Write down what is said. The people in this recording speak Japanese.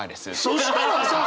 そしたらさ！